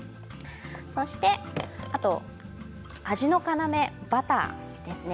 あと味の要バターですね。